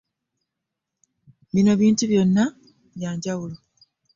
Bino ebintu byonna byanjawulo.